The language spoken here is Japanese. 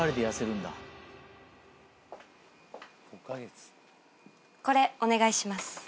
・これお願いします。